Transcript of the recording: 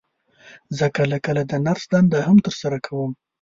زه کله کله د نرس دنده هم تر سره کوم.